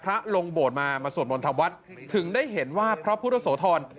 พระลงโบสถ์มามาสวดบนธรรมวัฒน์ถึงได้เห็นว่าพระพุทธโสธร